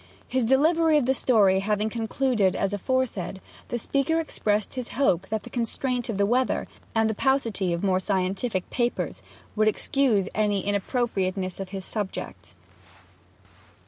His delivery of the story having concluded as aforesaid, the speaker expressed his hope that the constraint of the weather, and the paucity of more scientific papers, would excuse any inappropriateness in his subject.